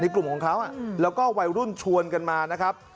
กลุ่มของเขาแล้วก็วัยรุ่นชวนกันมานะครับ